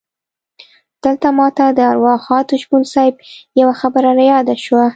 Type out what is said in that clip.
دلته ماته د ارواښاد شپون صیب یوه خبره رایاده شوه.